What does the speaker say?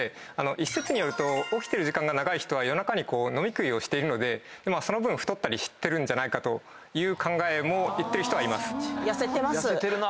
一説によると起きてる時間が長い人は夜中飲み食いしてるのでその分太ったりしてるんじゃないかという考えも言ってる人はいます。